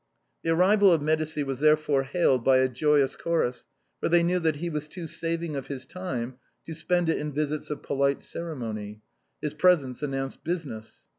The arrival of Medicis was therefore hailed by a joyous chorus, for they knew that he was too saving of his time to spend it in visits of polite ceremony; his presence an nounced business.